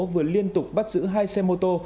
vừa liên tục bắt giữ hai xe mô tô